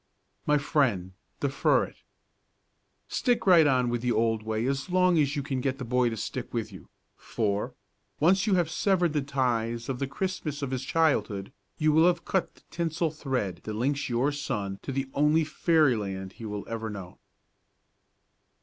My friend, defer it. Stick right on in the old way as long as you can get the boy to stick with you; for, once you have severed the ties of the Christmas of his childhood, you will have cut the tinsel thread that links your son to the only fairyland he will ever know.